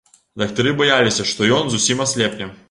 Дактары баяліся, што ён зусім аслепне.